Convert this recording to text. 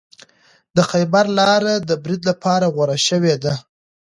د خیبر لاره د برید لپاره غوره شوې ده.